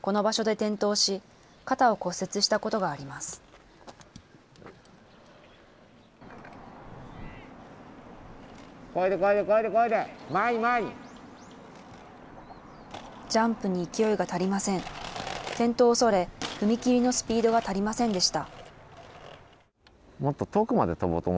転倒を恐れ、踏切のスピードが足りませんでした。